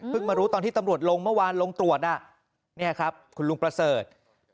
มารู้ตอนที่ตำรวจลงเมื่อวานลงตรวจน่ะนี่ครับคุณลุงประเสริฐ